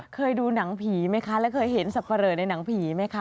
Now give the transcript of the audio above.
เคยดูหนังผีไหมคะแล้วเคยเห็นสับปะเลอในหนังผีไหมคะ